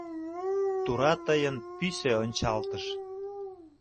Тура тыйын пӱсӧ ончалтыш.